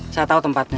saya tau tempatnya